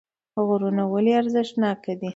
غرونه ولې ارزښتناکه دي